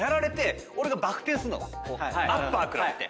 アッパー食らって。